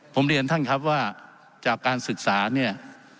ผมเรียนท่านครับว่าจากการศึกษาเนี่ย